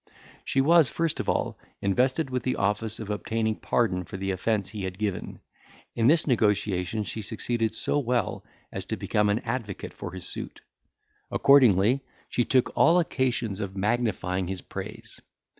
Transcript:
She was, first of all, invested with the office of obtaining pardon for the offence he had given; and, in this negotiation she succeeded so well, as to become an advocate for his suit; accordingly, she took all occasions of magnifying his praise.